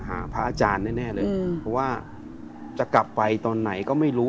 พระอาจารย์แน่เลยเพราะว่าจะกลับไปตอนไหนก็ไม่รู้